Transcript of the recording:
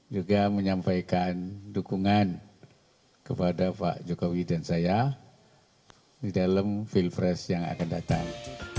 juga menyampaikan dukungan kepada pak jokowi dan saya di dalam pilpres yang akan datang